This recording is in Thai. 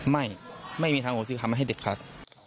ไม่ไม่มีทางของสิกรรมให้เด็กครับ